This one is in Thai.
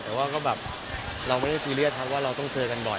แต่ว่าก็แบบเราไม่ได้ซีเรียสครับว่าเราต้องเจอกันบ่อย